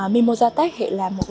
mimosa tech là một